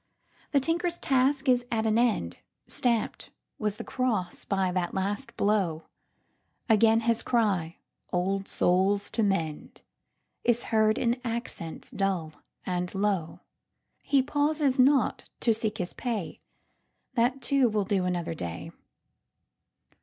The tinker's task is at an end:Stamp'd was the cross by that last blow. Again his cry, "Old souls to mend!"Is heard in accents dull and low. He pauses not to seek his pay,—That too will do another day.